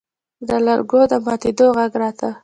د لرګو د ماتېدو غږ راته.